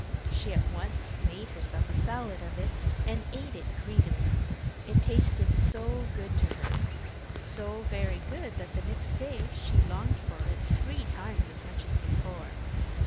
She at once made herself a salad of it, and ate it greedily. It tasted so good to her so very good, that the next day she longed for it three times as much as before.